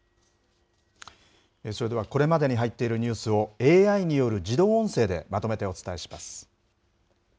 それではこれまでに入っているニュースを、ＡＩによる自動音声でまとめてお伝えします。